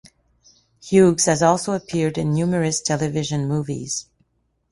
Hughes has also appeared in numerous television movies.